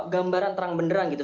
gambaran terang beneran gitu